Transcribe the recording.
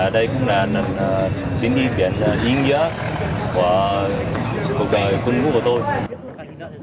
đây cũng là lần chiến đi biển yên nhớ của cuộc đời quân quốc của tôi